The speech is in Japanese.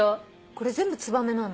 これ全部ツバメなの？